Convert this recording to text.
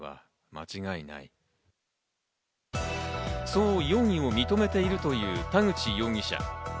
そう容疑を認めているという田口容疑者。